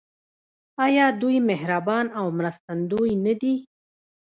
آیا دوی مهربان او مرستندوی نه دي؟